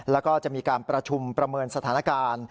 แล้วก็จะมีการประชุมประเมินสถานการณ์